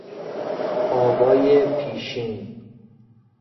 آوای پیشین